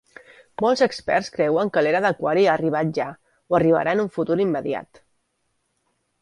Molts experts creuen que l'era d'aquari ha arribat ja, o arribarà en un futur immediat.